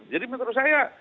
jadi menurut saya